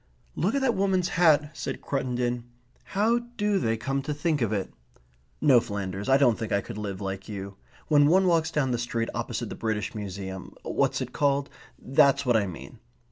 "Look at that woman's hat," said Cruttendon. "How do they come to think of it? ... No, Flanders, I don't think I could live like you. When one walks down that street opposite the British Museum what's it called? that's what I mean.